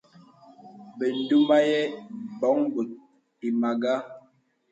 Bə ǹdùnàɛ̂ m̀bɔ̄ŋ bòt ìmàgā.